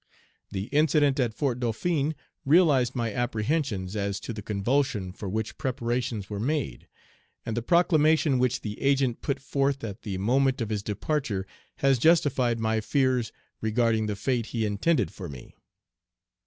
"The incident at Fort Dauphin realized my apprehensions as to the convulsion for which preparations were made; and the proclamation which the Agent put forth at the moment of his departure has justified my fears regarding the fate he intended for me.